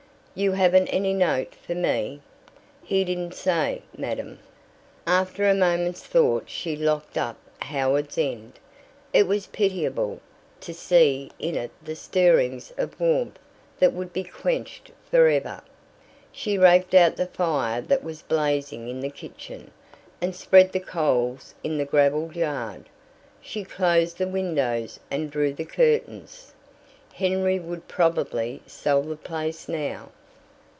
"You haven't any note for me?" "He didn't say, madam." After a moment's thought she locked up Howards End. It was pitiable to see in it the stirrings of warmth that would be quenched for ever. She raked out the fire that was blazing in the kitchen, and spread the coals in the gravelled yard. She closed the windows and drew the curtains. Henry would probably sell the place now.